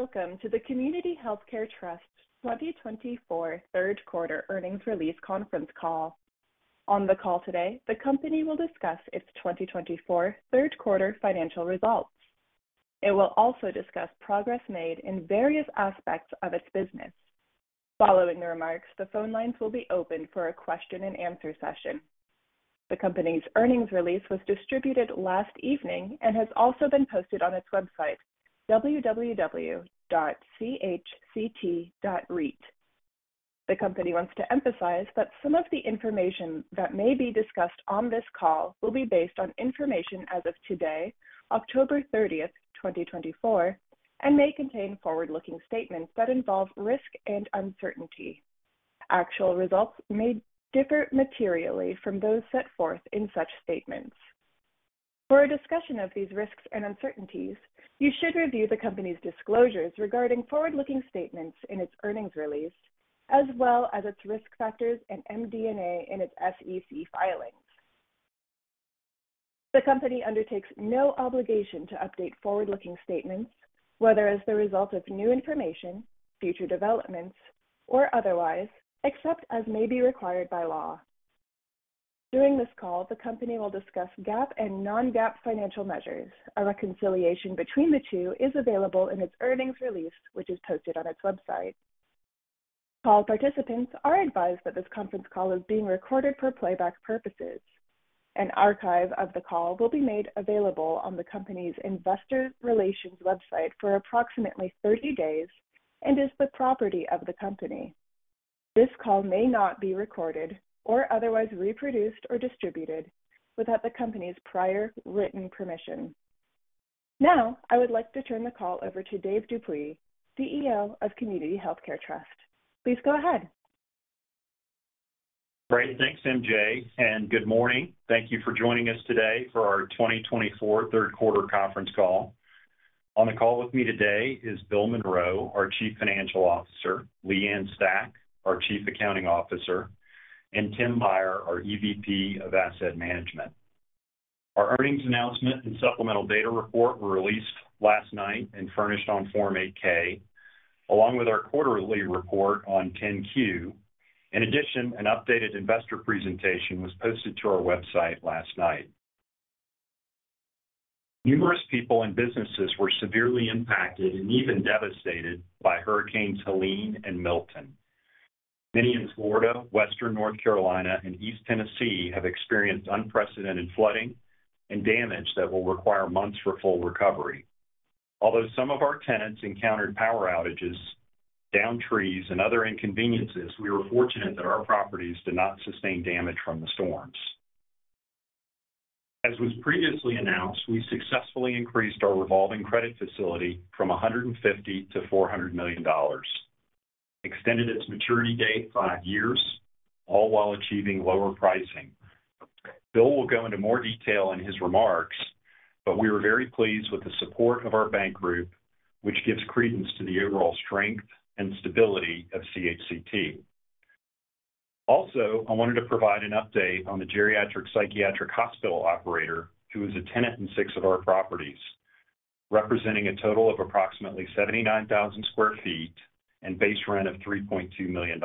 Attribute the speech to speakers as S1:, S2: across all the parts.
S1: Welcome to the Community Healthcare Trust 2024 third quarter earnings release conference call. On the call today, the company will discuss its 2024 third quarter financial results. It will also discuss progress made in various aspects of its business. Following the remarks, the phone lines will be open for a question-and-answer session. The company's earnings release was distributed last evening and has also been posted on its website, www.chct.reit. The company wants to emphasize that some of the information that may be discussed on this call will be based on information as of today, October 30, 2024, and may contain forward-looking statements that involve risk and uncertainty. Actual results may differ materially from those set forth in such statements. For a discussion of these risks and uncertainties, you should review the company's disclosures regarding forward-looking statements in its earnings release, as well as its risk factors and MD&A in its SEC filings. The company undertakes no obligation to update forward-looking statements, whether as the result of new information, future developments, or otherwise, except as may be required by law. During this call, the company will discuss GAAP and non-GAAP financial measures. A reconciliation between the two is available in its earnings release, which is posted on its website. Call participants are advised that this conference call is being recorded for playback purposes. An archive of the call will be made available on the company's investor relations website for approximately 30 days and is the property of the company. This call may not be recorded or otherwise reproduced or distributed without the company's prior written permission. Now, I would like to turn the call over to Dave Dupuy, CEO of Community Healthcare Trust. Please go ahead.
S2: Great. Thanks, MJ. And good morning. Thank you for joining us today for our 2024 third quarter conference call. On the call with me today is Bill Monroe, our Chief Financial Officer, Leigh Ann Stach, our Chief Accounting Officer, and Tim Meyer, our EVP of Asset Management. Our earnings announcement and supplemental data report were released last night and furnished on Form 8-K, along with our quarterly report on 10-Q. In addition, an updated investor presentation was posted to our website last night. Numerous people and businesses were severely impacted and even devastated by Hurricanes Helene and Milton. Many in Florida, Western North Carolina, and East Tennessee have experienced unprecedented flooding and damage that will require months for full recovery. Although some of our tenants encountered power outages, downed trees, and other inconveniences, we were fortunate that our properties did not sustain damage from the storms. As was previously announced, we successfully increased our revolving credit facility from $150 million to $400 million, extended its maturity date five years, all while achieving lower pricing. Bill will go into more detail in his remarks, but we are very pleased with the support of our bank group, which gives credence to the overall strength and stability of CHCT. Also, I wanted to provide an update on the geriatric psychiatric hospital operator, who is a tenant in six of our properties, representing a total of approximately 79,000 sq ft and base rent of $3.2 million.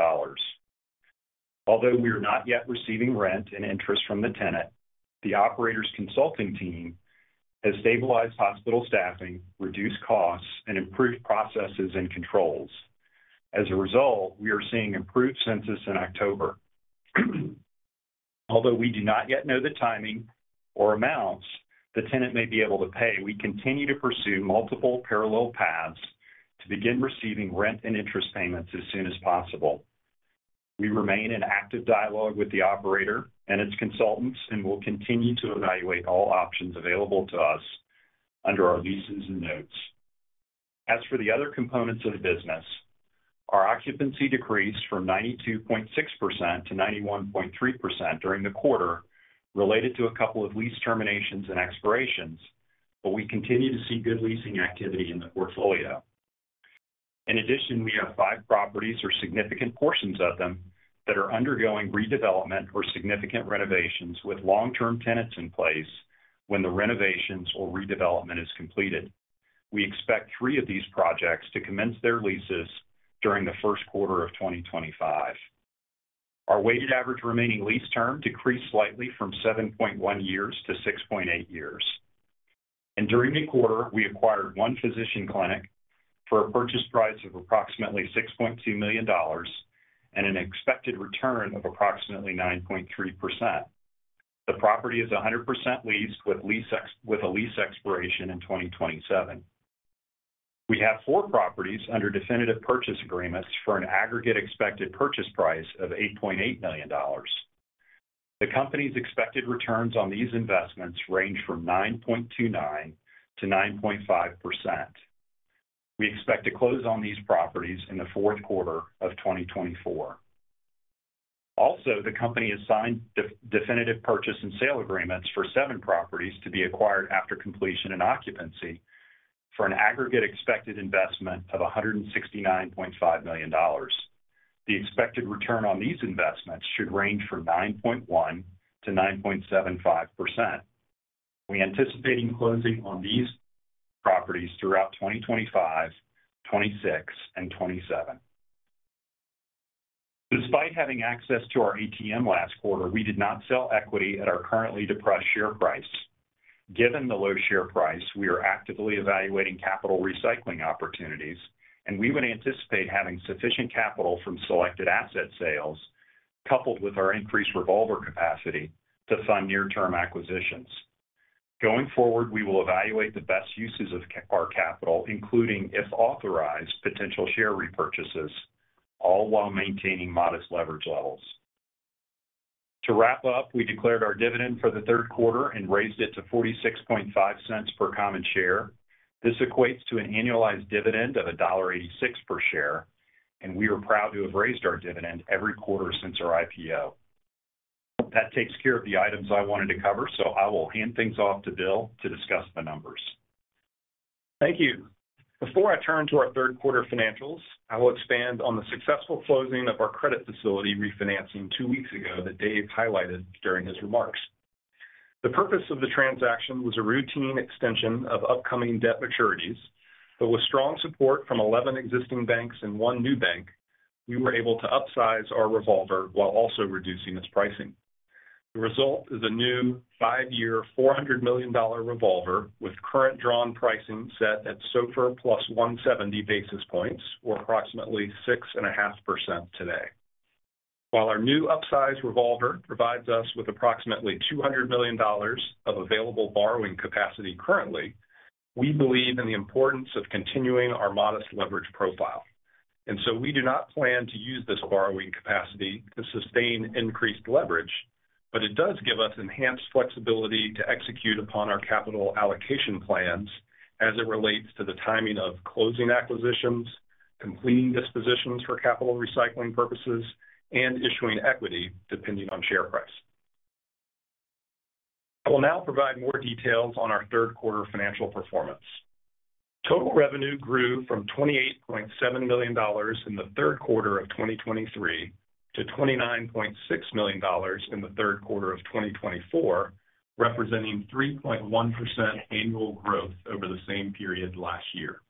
S2: Although we are not yet receiving rent and interest from the tenant, the operator's consulting team has stabilized hospital staffing, reduced costs, and improved processes and controls. As a result, we are seeing improved census in October. Although we do not yet know the timing or amounts the tenant may be able to pay, we continue to pursue multiple parallel paths to begin receiving rent and interest payments as soon as possible. We remain in active dialogue with the operator and its consultants and will continue to evaluate all options available to us under our leases and notes. As for the other components of the business, our occupancy decreased from 92.6% to 91.3% during the quarter related to a couple of lease terminations and expirations, but we continue to see good leasing activity in the portfolio. In addition, we have five properties or significant portions of them that are undergoing redevelopment or significant renovations with long-term tenants in place when the renovations or redevelopment is completed. We expect three of these projects to commence their leases during the first quarter of 2025. Our weighted average remaining lease term decreased slightly from 7.1 years to 6.8 years, and during the quarter, we acquired one physician clinic for a purchase price of approximately $6.2 million and an expected return of approximately 9.3%. The property is 100% leased with a lease expiration in 2027. We have four properties under definitive purchase agreements for an aggregate expected purchase price of $8.8 million. The company's expected returns on these investments range from 9.29%-9.5%. We expect to close on these properties in the fourth quarter of 2024. Also, the company has signed definitive purchase and sale agreements for seven properties to be acquired after completion and occupancy for an aggregate expected investment of $169.5 million. The expected return on these investments should range from 9.1%-9.75%. We anticipate closing on these properties throughout 2025, 2026, and 2027. Despite having access to our ATM last quarter, we did not sell equity at our currently depressed share price. Given the low share price, we are actively evaluating capital recycling opportunities, and we would anticipate having sufficient capital from selected asset sales, coupled with our increased revolver capacity, to fund near-term acquisitions. Going forward, we will evaluate the best uses of our capital, including, if authorized, potential share repurchases, all while maintaining modest leverage levels. To wrap up, we declared our dividend for the third quarter and raised it to $0.465 per common share. This equates to an annualized dividend of $1.86 per share, and we are proud to have raised our dividend every quarter since our IPO. That takes care of the items I wanted to cover, so I will hand things off to Bill to discuss the numbers.
S3: Thank you. Before I turn to our third quarter financials, I will expand on the successful closing of our credit facility refinancing two weeks ago that Dave highlighted during his remarks. The purpose of the transaction was a routine extension of upcoming debt maturities, but with strong support from 11 existing banks and one new bank, we were able to upsize our revolver while also reducing its pricing. The result is a new five-year $400 million revolver with current drawn pricing set at SOFR plus 170 basis points, or approximately 6.5% today. While our new upsized revolver provides us with approximately $200 million of available borrowing capacity currently, we believe in the importance of continuing our modest leverage profile. And so we do not plan to use this borrowing capacity to sustain increased leverage, but it does give us enhanced flexibility to execute upon our capital allocation plans as it relates to the timing of closing acquisitions, completing dispositions for capital recycling purposes, and issuing equity depending on share price. I will now provide more details on our third quarter financial performance. Total revenue grew from $28.7 million in the third quarter of 2023 to $29.6 million in the third quarter of 2024, representing 3.1% annual growth over the same period last year.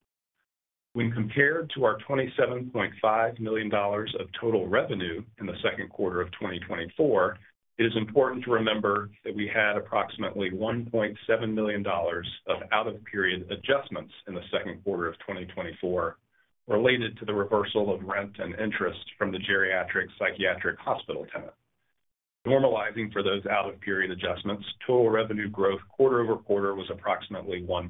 S3: When compared to our $27.5 million of total revenue in the second quarter of 2024, it is important to remember that we had approximately $1.7 million of out-of-period adjustments in the second quarter of 2024 related to the reversal of rent and interest from the geriatric psychiatric hospital tenant. Normalizing for those out-of-period adjustments, total revenue growth quarter over quarter was approximately 1%.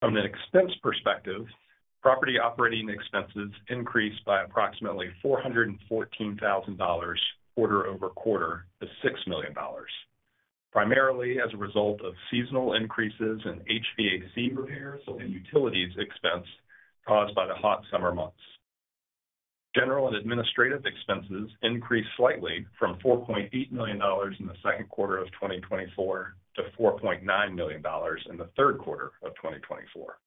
S3: From an expense perspective, property operating expenses increased by approximately $414,000 quarter over quarter to $6 million, primarily as a result of seasonal increases in HVAC repairs and utilities expense caused by the hot summer months. General and administrative expenses increased slightly from $4.8 million in the second quarter of 2024 to $4.9 million in the third quarter of 2024.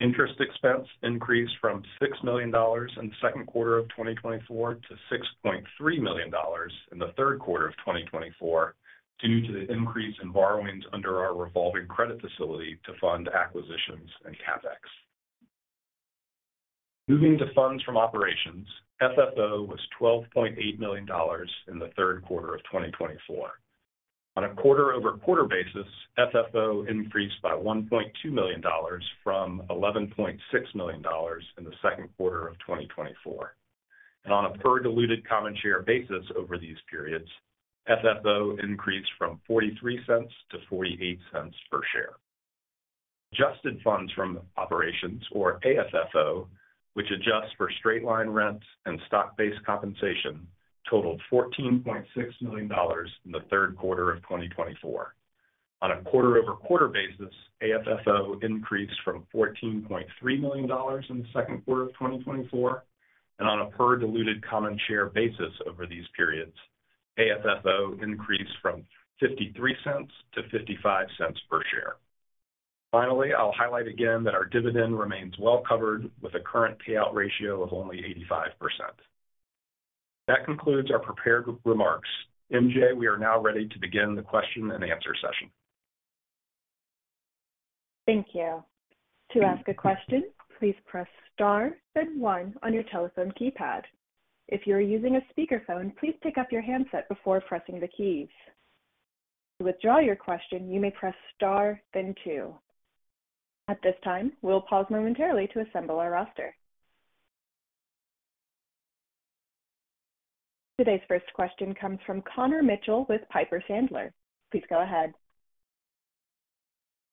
S3: Interest expense increased from $6 million in the second quarter of 2024 to $6.3 million in the third quarter of 2024 due to the increase in borrowings under our revolving credit facility to fund acquisitions and CapEx. Moving to funds from operations, FFO was $12.8 million in the third quarter of 2024. On a quarter-over-quarter basis, FFO increased by $1.2 million from $11.6 million in the second quarter of 2024. On a per-diluted common share basis over these periods, FFO increased from $0.43 to $0.48 per share. Adjusted funds from operations, or AFFO, which adjusts for straight-line rent and stock-based compensation, totaled $14.6 million in the third quarter of 2024. On a quarter-over-quarter basis, AFFO increased from $14.3 million in the second quarter of 2024. On a per-diluted common share basis over these periods, AFFO increased from $0.53 to $0.55 per share. Finally, I'll highlight again that our dividend remains well covered with a current payout ratio of only 85%. That concludes our prepared remarks. MJ, we are now ready to begin the question and answer session.
S1: Thank you. To ask a question, please press star, then one on your telephone keypad. If you are using a speakerphone, please pick up your handset before pressing the keys. To withdraw your question, you may press star, then two. At this time, we'll pause momentarily to assemble our roster. Today's first question comes from Connor Mitchell with Piper Sandler. Please go ahead.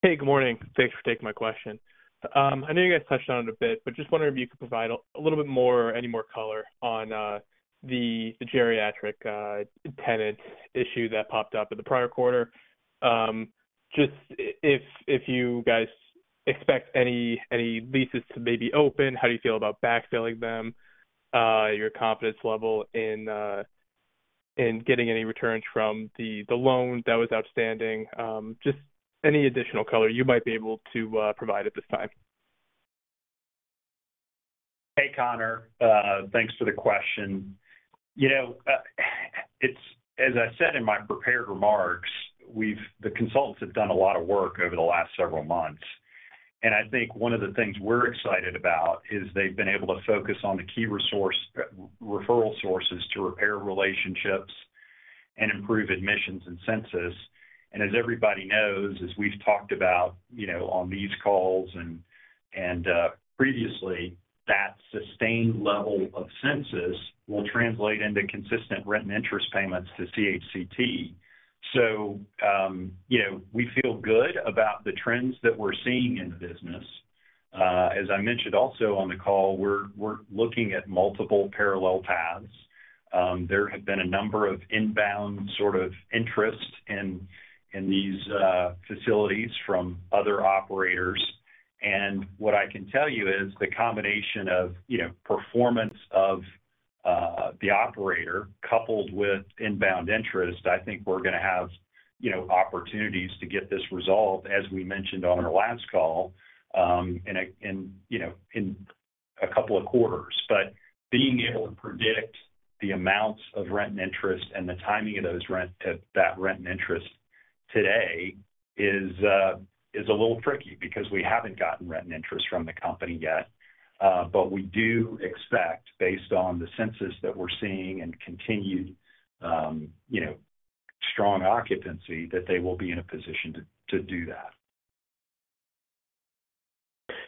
S4: Hey, good morning. Thanks for taking my question. I know you guys touched on it a bit, but just wondering if you could provide a little bit more or any more color on the geriatric tenant issue that popped up in the prior quarter. Just if you guys expect any leases to maybe open, how do you feel about backfilling them, your confidence level in getting any returns from the loan that was outstanding, just any additional color you might be able to provide at this time?
S2: Hey, Connor. Thanks for the question. As I said in my prepared remarks, the consultants have done a lot of work over the last several months, and I think one of the things we're excited about is they've been able to focus on the key referral sources to repair relationships and improve admissions and census, and as everybody knows, as we've talked about on these calls and previously, that sustained level of census will translate into consistent rent and interest payments to CHCT, so we feel good about the trends that we're seeing in the business. As I mentioned also on the call, we're looking at multiple parallel paths. There have been a number of inbound sort of interests in these facilities from other operators. And what I can tell you is the combination of performance of the operator coupled with inbound interest. I think we're going to have opportunities to get this resolved, as we mentioned on our last call, in a couple of quarters. But being able to predict the amounts of rent and interest and the timing of that rent and interest today is a little tricky because we haven't gotten rent and interest from the company yet. But we do expect, based on the census that we're seeing and continued strong occupancy, that they will be in a position to do that.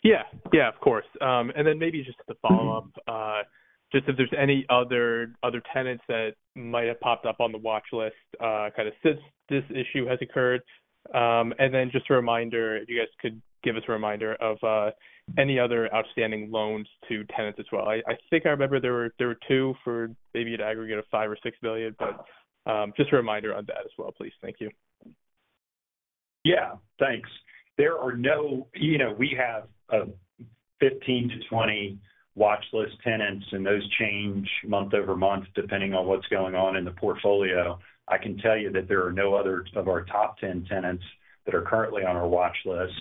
S4: Yeah. Yeah, of course. And then maybe just to follow up, just if there's any other tenants that might have popped up on the watchlist kind of since this issue has occurred. And then just a reminder, if you guys could give us a reminder of any other outstanding loans to tenants as well. I think I remember there were two for maybe an aggregate of $5-$6 million, but just a reminder on that as well, please. Thank you.
S2: Yeah. Thanks. There are no. We have 15-20 watchlist tenants, and those change month over month depending on what's going on in the portfolio. I can tell you that there are no others of our top 10 tenants that are currently on our watchlist.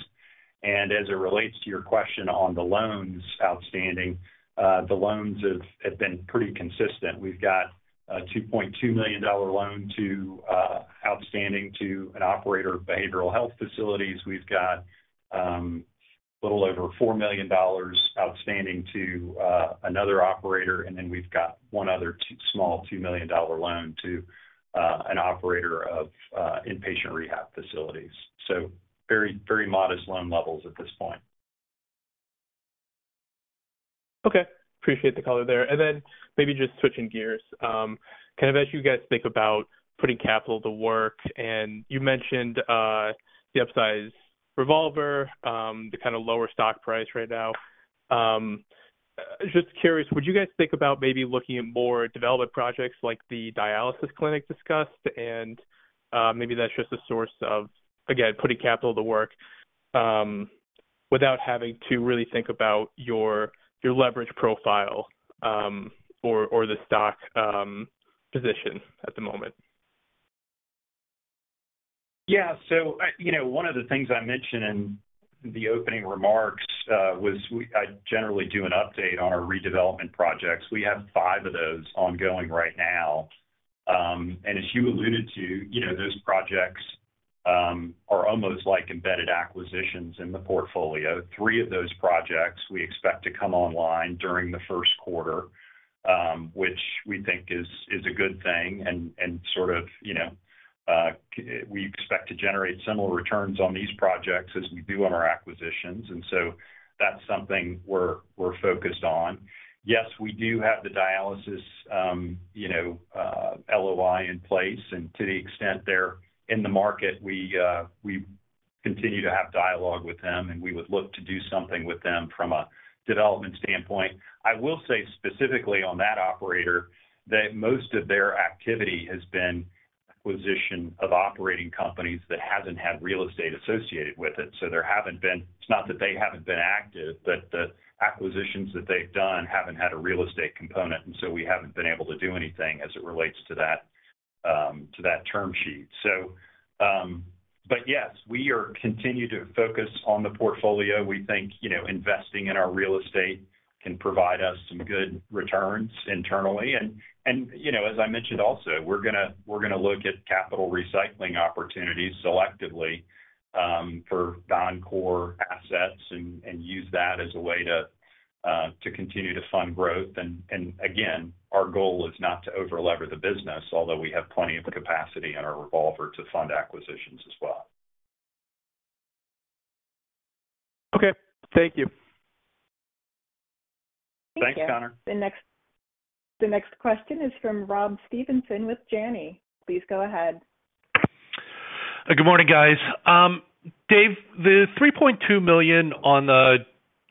S2: And as it relates to your question on the loans outstanding, the loans have been pretty consistent. We've got a $2.2 million loan outstanding to an operator of behavioral health facilities. We've got a little over $4 million outstanding to another operator, and then we've got one other small $2 million loan to an operator of inpatient rehab facilities. So very modest loan levels at this point.
S4: Okay. Appreciate the color there. And then maybe just switching gears, kind of as you guys think about putting capital to work, and you mentioned the upsized revolver, the kind of lower stock price right now. Just curious, would you guys think about maybe looking at more development projects like the dialysis clinic discussed? And maybe that's just a source of, again, putting capital to work without having to really think about your leverage profile or the stock position at the moment.
S2: Yeah. So one of the things I mentioned in the opening remarks was I generally do an update on our redevelopment projects. We have five of those ongoing right now. And as you alluded to, those projects are almost like embedded acquisitions in the portfolio. Three of those projects we expect to come online during the first quarter, which we think is a good thing. And sort of we expect to generate similar returns on these projects as we do on our acquisitions. And so that's something we're focused on. Yes, we do have the dialysis LOI in place. And to the extent they're in the market, we continue to have dialogue with them, and we would look to do something with them from a development standpoint. I will say specifically on that operator that most of their activity has been acquisition of operating companies that haven't had real estate associated with it, so there haven't been, it's not that they haven't been active, but the acquisitions that they've done haven't had a real estate component, and so we haven't been able to do anything as it relates to that term sheet, but yes, we continue to focus on the portfolio. We think investing in our real estate can provide us some good returns internally, and as I mentioned also, we're going to look at capital recycling opportunities selectively for non-core assets and use that as a way to continue to fund growth, and again, our goal is not to over-lever the business, although we have plenty of capacity in our revolver to fund acquisitions as well.
S4: Okay. Thank you.
S1: Thank you.
S2: Thanks, Connor.
S1: The next question is from Rob Stevenson with Janney. Please go ahead.
S5: Good morning, guys. Dave, the $3.2 million on the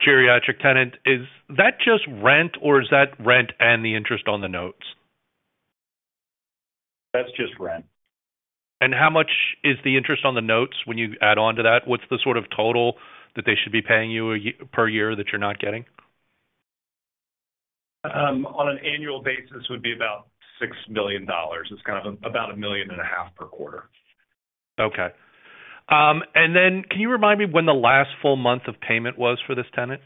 S5: geriatric tenant, is that just rent, or is that rent and the interest on the notes?
S2: That's just rent.
S5: How much is the interest on the notes when you add on to that? What's the sort of total that they should be paying you per year that you're not getting?
S2: On an annual basis, it would be about $6 million. It's kind of about $1.5 million per quarter.
S5: Okay. And then can you remind me when the last full month of payment was for this tenant?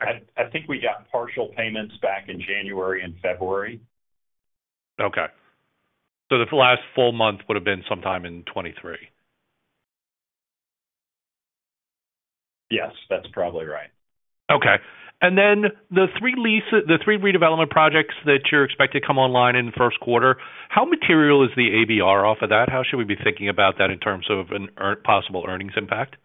S2: I think we got partial payments back in January and February.
S5: Okay. So the last full month would have been sometime in 2023?
S2: Yes, that's probably right.
S5: Okay. And then the three redevelopment projects that you're expected to come online in the first quarter, how material is the ABR off of that? How should we be thinking about that in terms of a possible earnings impact?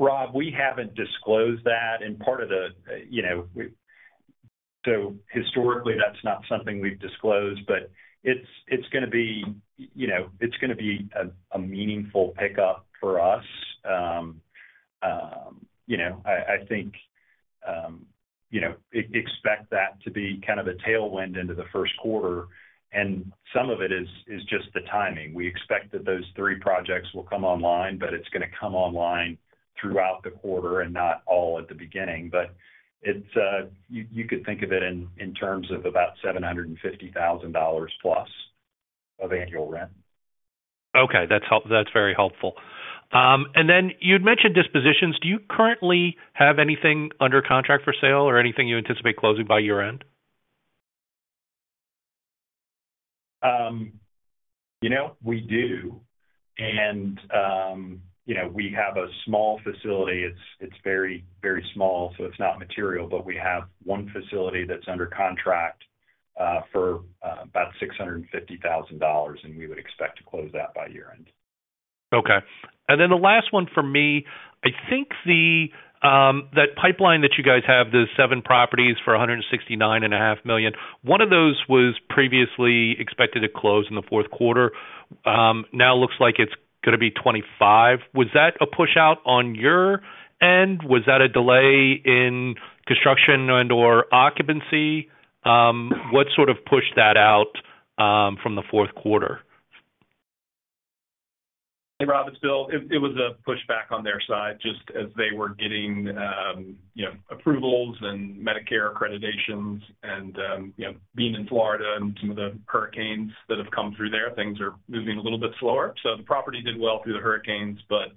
S2: Rob, we haven't disclosed that. And part of the—so historically, that's not something we've disclosed, but it's going to be—it's going to be a meaningful pickup for us. I think expect that to be kind of a tailwind into the first quarter. And some of it is just the timing. We expect that those three projects will come online, but it's going to come online throughout the quarter and not all at the beginning. But you could think of it in terms of about $750,000 plus of annual rent.
S5: Okay. That's very helpful. And then you'd mentioned dispositions. Do you currently have anything under contract for sale or anything you anticipate closing by year-end?
S2: We do. And we have a small facility. It's very, very small, so it's not material. But we have one facility that's under contract for about $650,000, and we would expect to close that by year-end.
S5: Okay. And then the last one for me, I think that pipeline that you guys have, the seven properties for $169.5 million, one of those was previously expected to close in the fourth quarter. Now looks like it's going to be $25 million. Was that a push-out on your end? Was that a delay in construction and/or occupancy? What sort of pushed that out from the fourth quarter?
S2: Hey, Rob, it was a pushback on their side just as they were getting approvals and Medicare accreditations, and being in Florida and some of the hurricanes that have come through there, things are moving a little bit slower, so the property did well through the hurricanes, but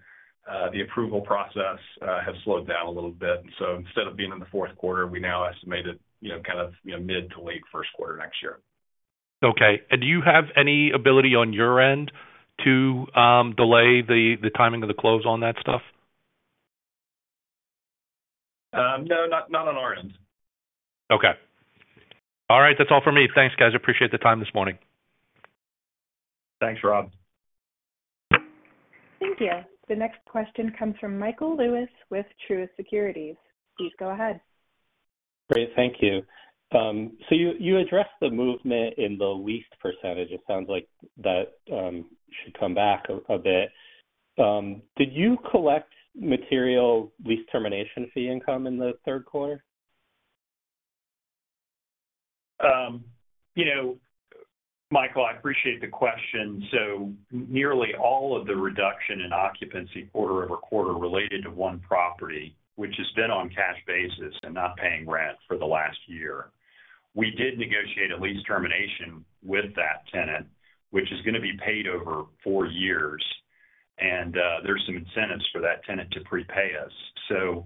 S2: the approval process has slowed down a little bit, and so instead of being in the fourth quarter, we now estimate it kind of mid to late first quarter next year.
S5: Okay. And do you have any ability on your end to delay the timing of the close on that stuff?
S2: No, not on our end.
S5: Okay. All right. That's all for me. Thanks, guys. Appreciate the time this morning.
S2: Thanks, Rob.
S1: Thank you. The next question comes from Michael Lewis with Truist Securities. Please go ahead.
S6: Great. Thank you. So you addressed the movement in the lease percentage. It sounds like that should come back a bit. Did you collect material lease termination fee income in the third quarter?
S2: Michael, I appreciate the question. So nearly all of the reduction in occupancy quarter over quarter related to one property, which has been on cash basis and not paying rent for the last year. We did negotiate a lease termination with that tenant, which is going to be paid over four years. And there's some incentives for that tenant to prepay us. So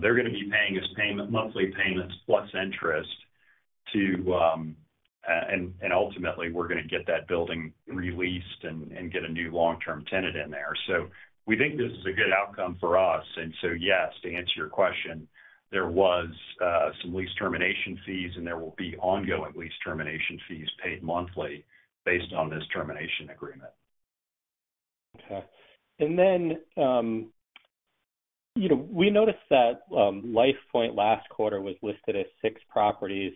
S2: they're going to be paying us monthly payments plus interest. And ultimately, we're going to get that building released and get a new long-term tenant in there. So we think this is a good outcome for us. And so yes, to answer your question, there was some lease termination fees, and there will be ongoing lease termination fees paid monthly based on this termination agreement.
S6: Okay. And then we noticed that LifePoint last quarter was listed as six properties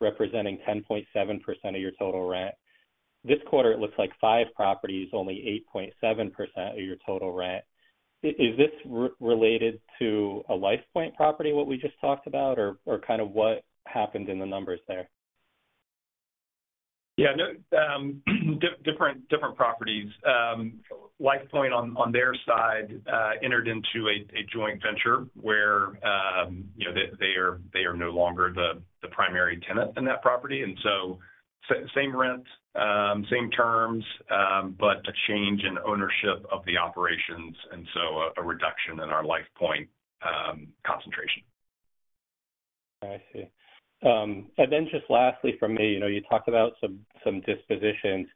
S6: representing 10.7% of your total rent. This quarter, it looks like five properties, only 8.7% of your total rent. Is this related to a LifePoint property, what we just talked about, or kind of what happened in the numbers there?
S2: Yeah. Different properties. LifePoint, on their side, entered into a joint venture where they are no longer the primary tenant in that property. And so same rent, same terms, but a change in ownership of the operations, and so a reduction in our LifePoint concentration.
S6: I see. And then just lastly for me, you talked about some dispositions.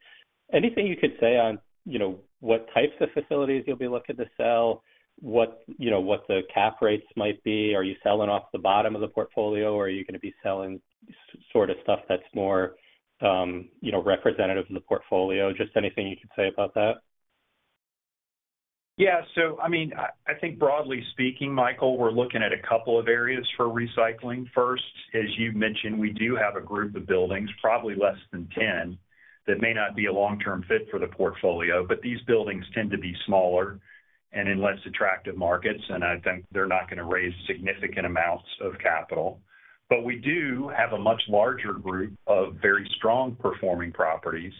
S6: Anything you could say on what types of facilities you'll be looking to sell, what the cap rates might be? Are you selling off the bottom of the portfolio, or are you going to be selling sort of stuff that's more representative of the portfolio? Just anything you could say about that?
S2: Yeah. So I mean, I think broadly speaking, Michael, we're looking at a couple of areas for recycling first. As you mentioned, we do have a group of buildings, probably less than 10, that may not be a long-term fit for the portfolio. But these buildings tend to be smaller and in less attractive markets, and I think they're not going to raise significant amounts of capital. But we do have a much larger group of very strong-performing properties,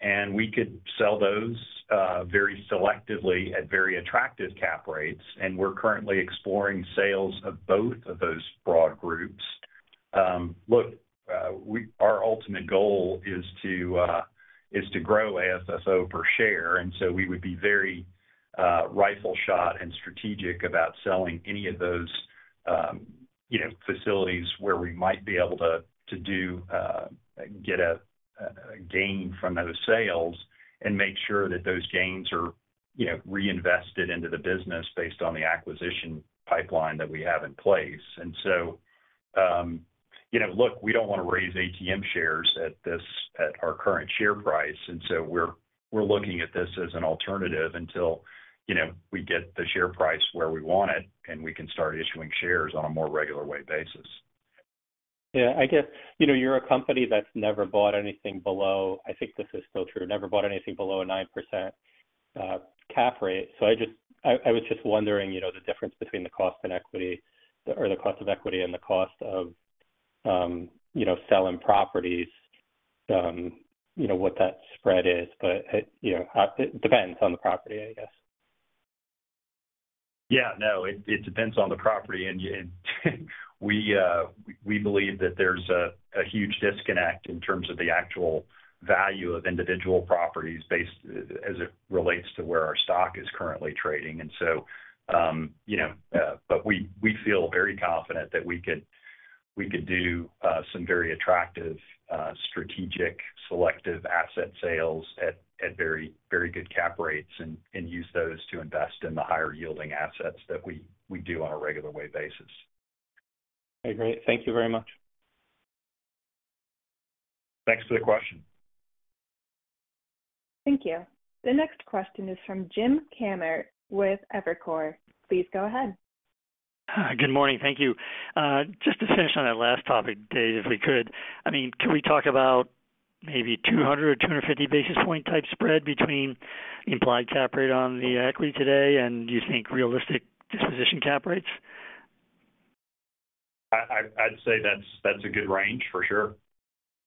S2: and we could sell those very selectively at very attractive cap rates. And we're currently exploring sales of both of those broad groups. Look, our ultimate goal is to grow AFFO per share. And so we would be very rifle-shot and strategic about selling any of those facilities where we might be able to get a gain from those sales and make sure that those gains are reinvested into the business based on the acquisition pipeline that we have in place. And so, look, we don't want to raise ATM shares at our current share price. And so we're looking at this as an alternative until we get the share price where we want it, and we can start issuing shares on a more regular-weight basis.
S6: Yeah. I guess you're a company that's never bought anything below-I think this is still true-never bought anything below a 9% cap rate. So I was just wondering the difference between the cost of equity and the cost of selling properties, what that spread is. But it depends on the property, I guess.
S2: Yeah. No, it depends on the property. And we believe that there's a huge disconnect in terms of the actual value of individual properties as it relates to where our stock is currently trading. And so we feel very confident that we could do some very attractive, strategic, selective asset sales at very good cap rates and use those to invest in the higher-yielding assets that we do on a regular basis.
S6: Okay. Great. Thank you very much.
S2: Thanks for the question.
S1: Thank you. The next question is from Jim Kammert with Evercore. Please go ahead.
S7: Good morning. Thank you. Just to finish on that last topic, Dave, if we could, I mean, can we talk about maybe 200 or 250 basis point type spread between the implied cap rate on the equity today and, do you think, realistic disposition cap rates?
S2: I'd say that's a good range, for sure.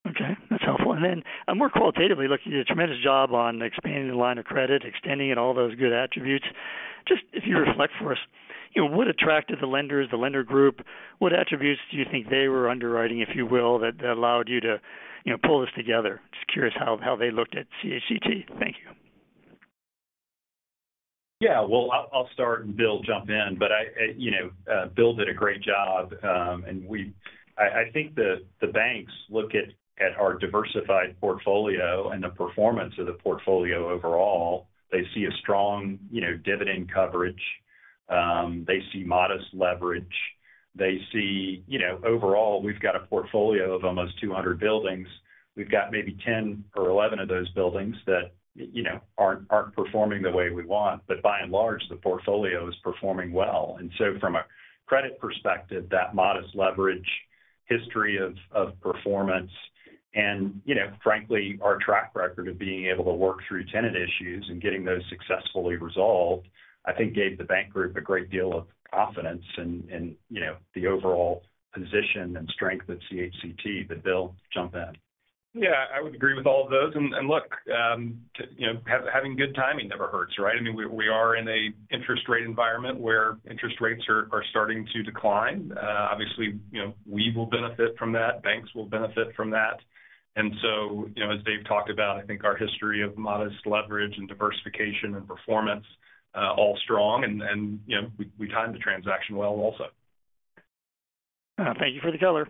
S7: Okay. That's helpful. And then more qualitatively, look, you did a tremendous job on expanding the line of credit, extending it, all those good attributes. Just if you reflect for us, what attracted the lenders, the lender group? What attributes do you think they were underwriting, if you will, that allowed you to pull this together? Just curious how they looked at CHCT. Thank you.
S2: Yeah. Well, I'll start and Bill jump in, but Bill did a great job, and I think the banks look at our diversified portfolio and the performance of the portfolio overall. They see a strong dividend coverage. They see modest leverage. They see, overall, we've got a portfolio of almost 200 buildings. We've got maybe 10 or 11 of those buildings that aren't performing the way we want, but by and large, the portfolio is performing well, and so from a credit perspective, that modest leverage history of performance and, frankly, our track record of being able to work through tenant issues and getting those successfully resolved, I think gave the bank group a great deal of confidence in the overall position and strength of CHCT, but Bill, jump in.
S3: Yeah, I would agree with all of those, and look, having good timing never hurts, right? I mean, we are in an interest rate environment where interest rates are starting to decline. Obviously, we will benefit from that. Banks will benefit from that. And so, as Dave talked about, I think our history of modest leverage and diversification and performance is all strong. And we timed the transaction well also.
S7: Thank you for the color.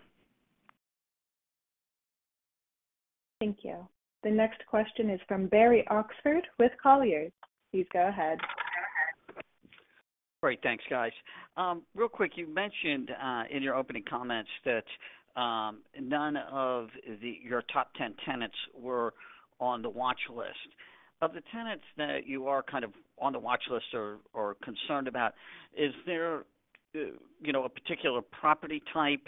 S1: Thank you. The next question is from Barry Oxford with Colliers. Please go ahead. Go ahead.
S8: Great. Thanks, guys. Real quick, you mentioned in your opening comments that none of your top 10 tenants were on the watch list. Of the tenants that you are kind of on the watch list or concerned about, is there a particular property type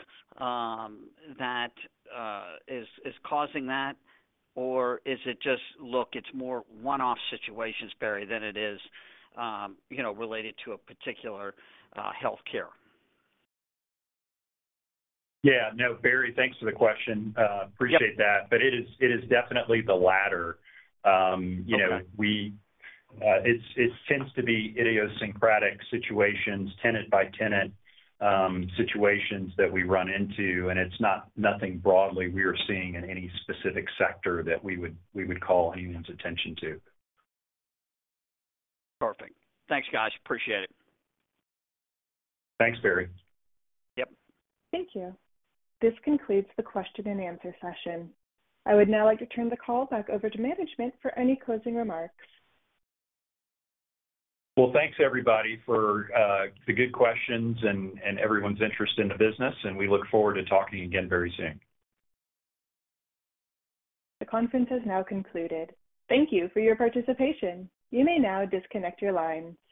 S8: that is causing that, or is it just, look, it's more one-off situations, Barry, than it is related to a particular healthcare?
S2: Yeah. No, Barry, thanks for the question. Appreciate that. But it is definitely the latter. It tends to be idiosyncratic situations, tenant-by-tenant situations that we run into. And it's nothing broadly we are seeing in any specific sector that we would call anyone's attention to.
S8: Perfect. Thanks, guys. Appreciate it.
S2: Thanks, Barry.
S8: Yep.
S1: Thank you. This concludes the question-and-answer session. I would now like to turn the call back over to management for any closing remarks.
S2: Thanks, everybody, for the good questions and everyone's interest in the business. We look forward to talking again very soon.
S1: The conference has now concluded. Thank you for your participation. You may now disconnect your lines.